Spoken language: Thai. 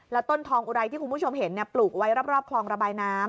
แล้วต้นทองอุไรที่คุณผู้ชมเห็นปลูกไว้รอบคลองระบายน้ำ